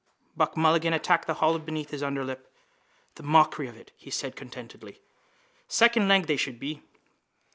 Buck Mulligan attacked the hollow beneath his underlip. —The mockery of it, he said contentedly. Secondleg they should be.